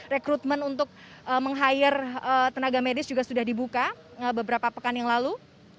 rekrutmen untuk meng hire tenaga medis juga sudah dibuka beberapa pekan yang lalu